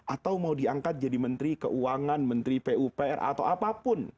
atau mau diangkat jadi menteri keuangan menteri pupr atau apapun